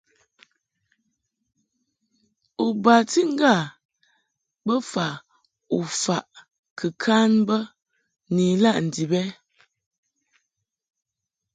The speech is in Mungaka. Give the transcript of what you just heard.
U bati ŋgâ bofa u faʼ kɨ kan bə ni ilaʼ ndib ɛ ?